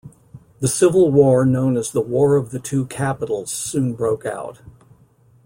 The civil war known as the War of the Two Capitals soon broke out.